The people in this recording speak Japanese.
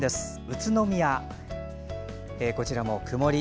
宇都宮、こちらも曇り。